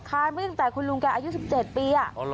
ค่ะเมื่อจากคุณลุงแกอายุ๑๗ปี